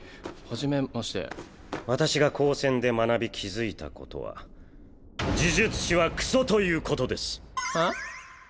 はじめまして私が高専で学び気付いたことは呪術師はクソということですえっ？